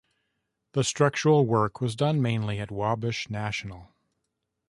The structural work was done mainly at Wabash National.